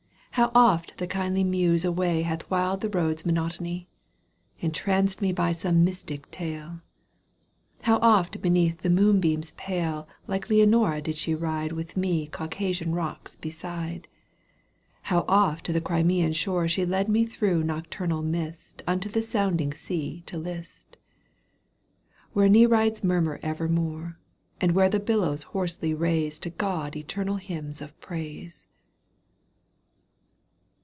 How oft the kindly Muse away Hath whiled the road's monotony, Entranced me by some mystic tale. How oft beneath the moonbeams pale like Leonora did she ride ^* With me Caucasian rocks beside ! How oft to the Crimean shore She led me through nocturnal mist Unto the sounding sea to list, Where Nereids murmur evermore. And where the billows hoarsely raise To God eternal hymns of praise.